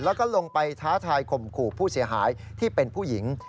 แล้วก็ลงไปท้าทายข่มขู่ผู้เสียหายที่เป็นผู้หญิง